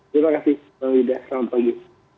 terima kasih pak wida selamat pagi